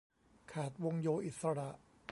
ขาด วงโยอิสระ